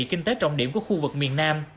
kinh tế trọng điểm của khu vực miền nam